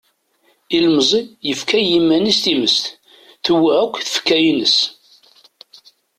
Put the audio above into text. Ilemẓi yefka i yiman-is times, tewwa akk tfekka-ines.